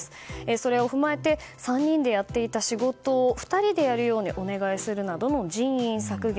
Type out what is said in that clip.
それを踏まえて３人でやっていた仕事を２人でやるようにお願いするなど人員削減。